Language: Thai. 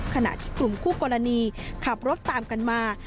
ขณะที่กลุ่มคู่กรณีขับรถตามกันมา